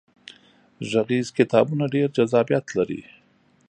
غږیز کتابونه ډیر جذابیت لري.